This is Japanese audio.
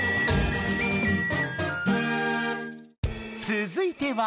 つづいては。